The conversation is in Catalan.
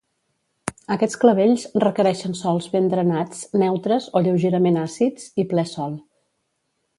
Aquests clavells requereixen sòls ben drenats neutres o lleugerament àcids i ple sol.